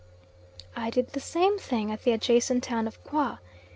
I did the same thing at the adjacent town of Qwa.